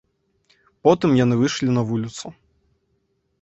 Потым яны выйшлі на вуліцу.